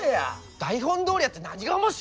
台本どおりやって何が面白いんだよ！